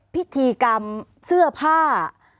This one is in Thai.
พิธีกรรมเสื้อผ้า